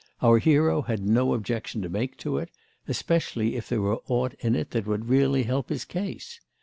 Our hero had no objection to make to it, especially if there were aught in it that would really help his case.